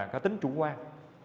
có tính chủ quan